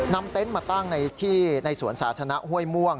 นำเต้นต์มาตั้งในสวนสาธารณะห้วยม่วง